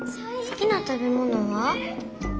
「好きな食べ物は？」。